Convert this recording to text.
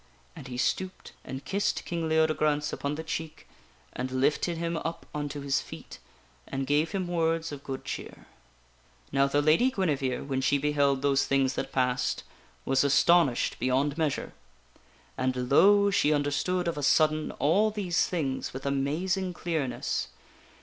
And he stooped and kissed King Leodegrance upon the cheek and lifted him up unto his feet and gave him words of good cheer. Now the Lady Guinevere, when she beheld those things that passed, was astonished beyond measure. And lo ! she understood of a sudden all these things with amazing clearness.